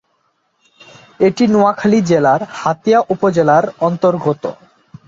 এটি নোয়াখালী জেলার হাতিয়া উপজেলার অন্তর্গত।